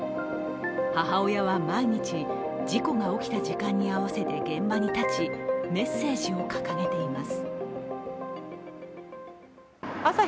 母親は毎日、事故が起きた時間に合わせて現場に立ちメッセージを掲げています。